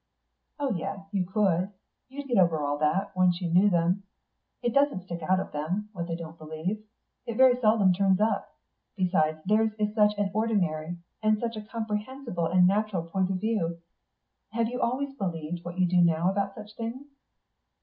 "Oh yes, you could. You'd get over all that, once you knew them. It doesn't stick out of them, what they don't believe; it very seldom turns up. Besides theirs is such an ordinary, and such a comprehensible and natural point of view. Have you always believed what you do now about such things?"